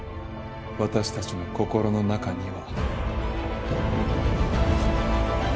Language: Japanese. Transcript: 私たちの心の中には。